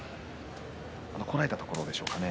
こらえたところでしょうかね。